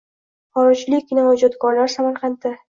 Xorijlik kinoijodkorlar – Samarqandda